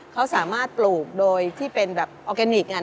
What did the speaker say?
เขาสามารถปลูกโดยที่เป็นแบบออร์แกนิค